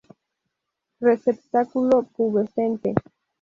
Receptáculo pubescente.